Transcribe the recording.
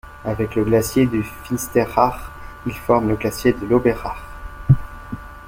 Avec le glacier du Finsteraar, il forme le glacier de l'Oberaar.